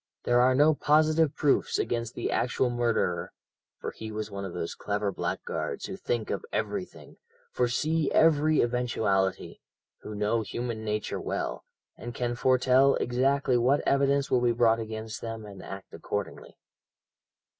There are no positive proofs against the actual murderer, for he was one of those clever blackguards who think of everything, foresee every eventuality, who know human nature well, and can foretell exactly what evidence will be brought against them, and act accordingly.